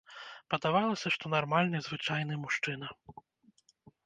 Падавалася, што нармальны звычайны мужчына.